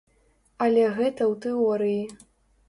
Але гэта ў тэорыі.